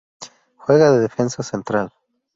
Juega de Defensa central.